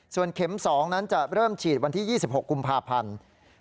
ส่วนเข็ม๒นั้นจะเริ่มฉีดวันที่๒๖กุมภาพันธ์